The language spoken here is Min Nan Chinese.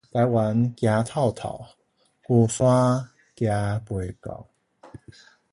台灣走透透，龜山行袂到